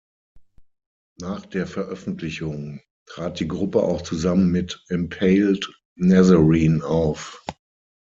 Nach der Veröffentlichung trat die Gruppe auch zusammen mit Impaled Nazarene auf.